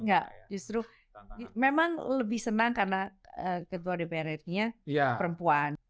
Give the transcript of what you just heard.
enggak justru memang lebih senang karena ketua dpr ri nya perempuan